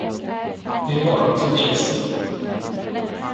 Det är bara att tugga i sig.